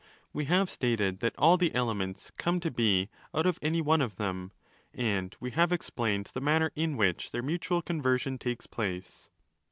® We have stated that all the 'elements' come to be out of any one of them; and we have explained the manner in which their mutual conversion takes place.